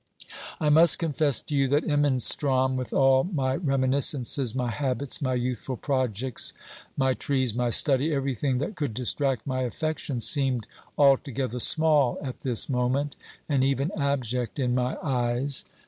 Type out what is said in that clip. I must confess to you that Imenstrom, with all my reminiscences, my habits, my youthful projects, my trees, my study, everything that could distract my affections, seemed altogether small at this moment, and even abject in my eyes.